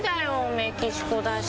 メキシコだし。